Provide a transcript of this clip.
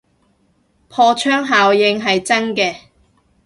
破窗效應係真嘅